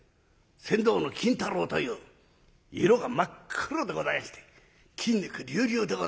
船頭の金太郎という色が真っ黒でございまして筋肉隆々でございまして。